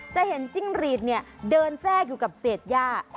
จะเห็นจิ้งหรีดเนี่ยเดินแทรกอยู่กับเศษย่า